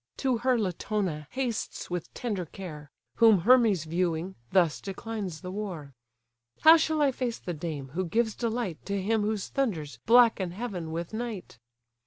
To her Latona hastes with tender care; Whom Hermes viewing, thus declines the war: "How shall I face the dame, who gives delight To him whose thunders blacken heaven with night?